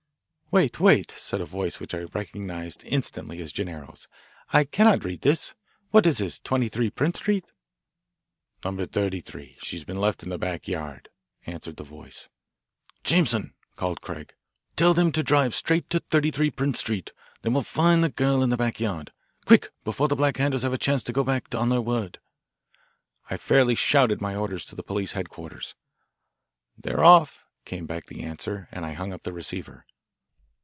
"Wait, wait," said a voice which I recognised instantly as Gennaro's. "I cannot read this. What is this, 23 Prince Street?" "No. 33. She has been left in the backyard," answered the voice. "Jameson," called Craig, "tell them to drive straight to 33 Prince Street. They will find the girl in the back yard quick, before the Black Handers have a chance to go back on their word." I fairly shouted my orders to the police headquarters. "They're off," came back the answer, and I hung up the receiver.